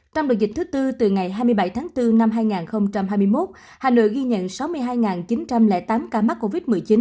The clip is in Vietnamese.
trong đợt dịch thứ tư từ ngày hai mươi bảy tháng bốn năm hai nghìn hai mươi một hà nội ghi nhận sáu mươi hai chín trăm linh tám ca mắc covid một mươi chín